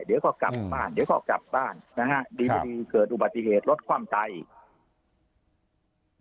เดี๋ยวก็กลับบ้านเดี๋ยวก็กลับบ้านนะฮะดีเกิดอุบัติเหตุรถคว่ำตายอีก